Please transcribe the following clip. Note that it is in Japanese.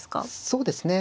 そうですね。